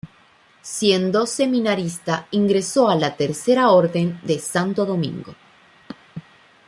Siendo seminarista ingresó a la Tercera Orden de Santo Domingo.